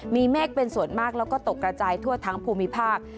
มีเมฆเป็นส่วนมากแล้วก็ตกกระจายทั่วทั้งภูมิภาค